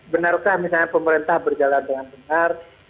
benarkah misalnya pemerintah berjalan dengan benar